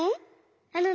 あのね